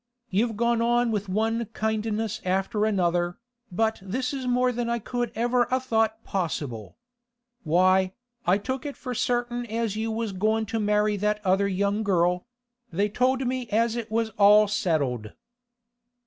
You've gone on with one kindness after another, but this is more than I could ever a' thought possible. Why, I took it for certain as you was goin' to marry that other young girl; they told me as it was all settled.